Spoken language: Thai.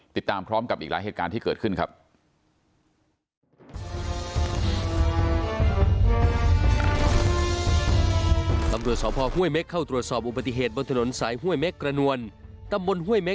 ติดตามพร้อมกับอีกหลายเหตุการณ์ที่เกิดขึ้นครับ